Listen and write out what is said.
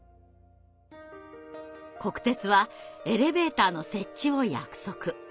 国鉄はエレベーターの設置を約束。